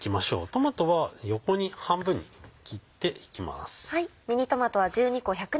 トマトは横に半分に切っていきます。